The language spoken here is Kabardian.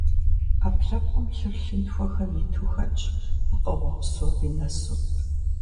Ӏэпкълъэпкъым лъыр лъынтхуэхэм иту хэтщ, пкъыгъуэ псоми нэсу.